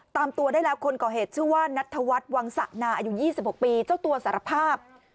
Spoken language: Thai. ตามตัวได้แล้วคนก่อเหตุชื่อว่านัทธวัฒน์วังสะนาอายุ๒๖ปีเจ้าตัวสารภาพ